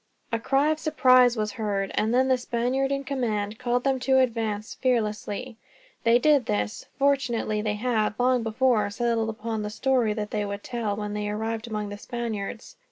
A cry of surprise was heard, and then the Spaniard in command called them to advance, fearlessly. This they did. Fortunately they had, long before, settled upon the story that they would tell, when they arrived among the Spaniards.